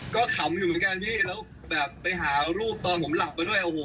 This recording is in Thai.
ก็ขำอยู่เหมือนกันพี่แล้วแบบไปหาลูกตอนผมหลับไปด้วยโอ้โห